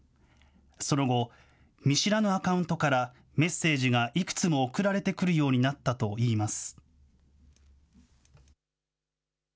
その後、見知らぬアカウントからメッセージがいくつも送られてくるようになったといいます。